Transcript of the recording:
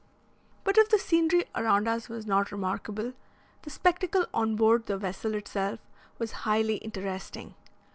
But if the scenery around us was not remarkable, the spectacle on board the vessel itself was highly interesting.